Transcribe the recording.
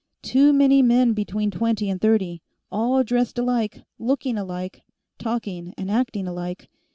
Too many men between twenty and thirty, all dressed alike, looking alike, talking and acting alike.